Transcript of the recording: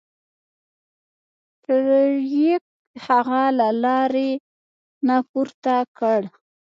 فلیریک هغه له لارې نه پورته کړ.